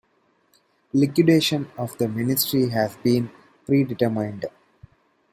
Liquidation of the ministry has been predetermined.